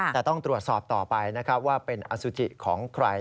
แต่ต้องตรวจสอบต่อไปนะครับว่าเป็นอสุจิของใคร